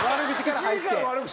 １時間悪口。